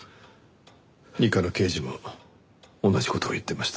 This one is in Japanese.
二課の刑事も同じ事を言ってました。